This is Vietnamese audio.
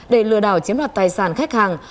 để lừa đảo chiếm đoạt tài sản khách hàng